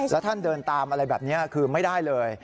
แล้วท่านเดินตามอะไรแบบนี้คือไม่ได้เลย